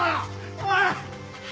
おい！